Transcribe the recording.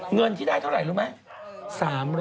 เงินที่ได้เท่าไหร่รู้ไหม